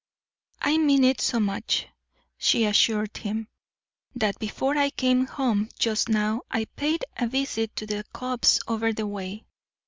"I mean it so much," she assured him, "that before I came home just now I paid a visit to the copse over the way.